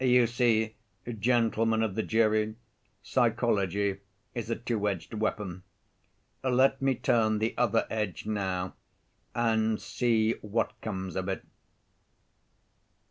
You see, gentlemen of the jury, psychology is a two‐ edged weapon. Let me turn the other edge now and see what comes of it.